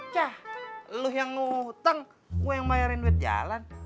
cah lo yang ngutang gue yang bayarin duit jalan